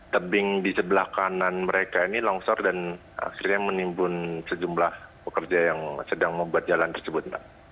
tebing di sebelah kanan mereka ini longsor dan akhirnya menimbun sejumlah pekerja yang sedang membuat jalan tersebut